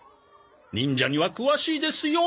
忍者には詳しいですよ。